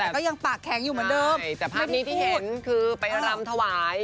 แต่ก็ยังปากแข็งอยู่เหมือนเดิมแต่ภาพนี้ที่เห็นคือไปรำถวาย